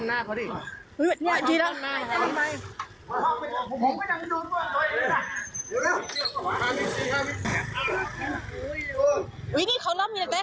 อันนี้เขาล้อมยังไง